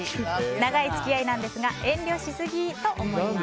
長い付き合いなんですが遠慮しすぎと思います。